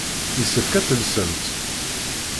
Yessefk ad teslemt.